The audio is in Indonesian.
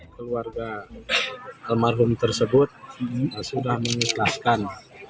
keluarga almarhum tersebut sudah mengikhlaskan